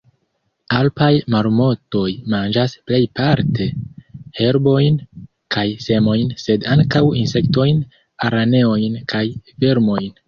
Alpaj marmotoj manĝas plejparte herbojn kaj semojn, sed ankaŭ insektojn, araneojn kaj vermojn.